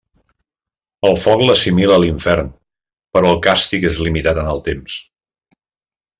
El foc l'assimila a l'infern però el càstig és limitat en el temps.